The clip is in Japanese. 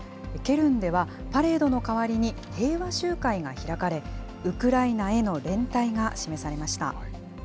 ケルンではパレードの代わりに平和集会が開かれ、ウクライナへの連帯が示されました。